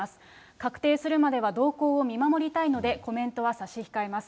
確定するまでは動向を見守りたいのでコメントは差し控えます。